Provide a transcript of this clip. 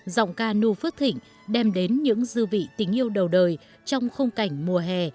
giọng ca nhu phước thịnh đem đến những dư vị tình yêu đầu đời trong không cảnh mùa hè